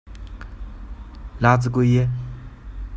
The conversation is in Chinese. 拉兹奎耶。